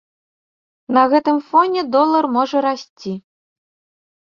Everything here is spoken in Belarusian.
На гэтым фоне долар можа расці.